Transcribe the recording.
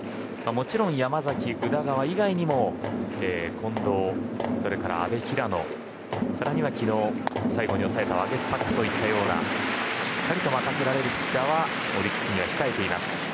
もちろん山崎、宇田川以外にも近藤、阿部、平野更に昨日、最後に抑えたワゲスパックというしっかりと任せられるピッチャーがオリックスには控えています。